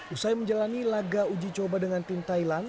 usai menjalani laga uji coba dengan tim thailand